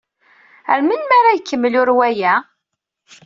Ar melmi ara ikemmel urway-a?